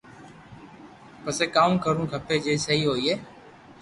مپسي ڪاو ڪروُ کپي جي سھي ھوئي